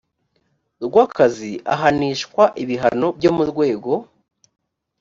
rw akazi ahanishwa ibihano byo mu rwego